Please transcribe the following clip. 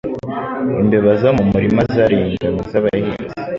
Imbeba zo mu murima zariye ingano z'abahinzi.